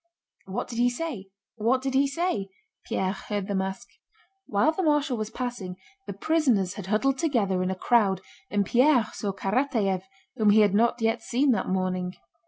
"What did he say? What did he say?" Pierre heard them ask. While the marshal was passing, the prisoners had huddled together in a crowd, and Pierre saw Karatáev whom he had not yet seen that morning.